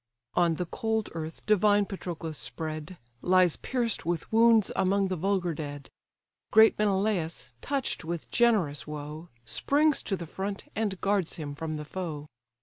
On the cold earth divine Patroclus spread, Lies pierced with wounds among the vulgar dead. Great Menelaus, touch'd with generous woe, Springs to the front, and guards him from the foe.